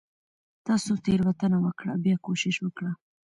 تاسو تيروتنه وکړه . بيا کوشش وکړه